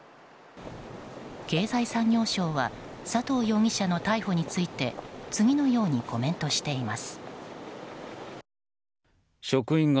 経済産業省は佐藤容疑者の逮捕について次のようにコメントしています。